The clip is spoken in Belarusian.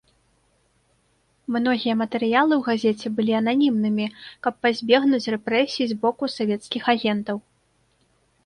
Многія матэрыялы ў газеце былі ананімнымі, каб пазбегнуць рэпрэсій з боку савецкіх агентаў.